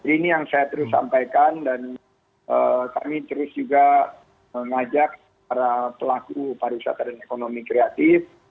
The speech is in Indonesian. ini yang saya terus sampaikan dan kami terus juga mengajak para pelaku pariwisata dan ekonomi kreatif